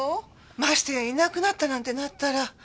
ましてやいなくなったなんてなったら。